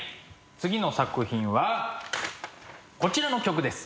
次の作品はこちらの曲です。